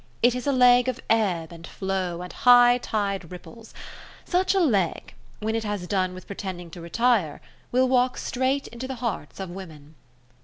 It is a leg of ebb and flow and high tide ripples. Such a leg, when it has done with pretending to retire, will walk straight into the hearts of women.